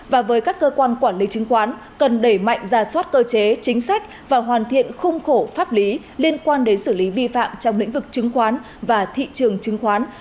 và với các cơ quan quản lý chứng khoán cần đẩy mạnh ra soát cơ chế chính sách và hoàn thiện khung khổ pháp lý liên quan đến xử lý vi phạm trong lĩnh vực chứng khoán và thị trường chứng khoán